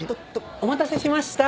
お待たせしました。